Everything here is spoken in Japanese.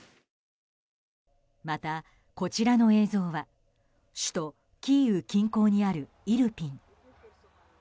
また、こちらの映像は首都キーウ近郊にあるイルピン。